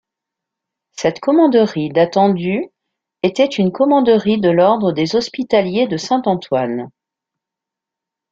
Cette commanderie datant du était une commanderie de l’ordre des hospitaliers de Saint-Antoine.